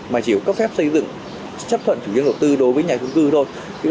mà chỉ có cấp phép xây dựng chấp thuận chủ yếu đầu tư đối với nhà trung cư thôi